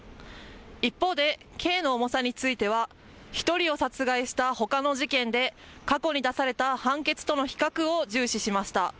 一方で刑の重さについては１人を殺害したほかの事件で過去に出された判決との比較を重視しました。